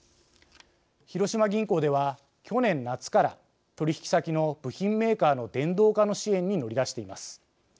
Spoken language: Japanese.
広島銀行では去年夏から取引先の部品メーカーの電動化の支援に乗り出しています。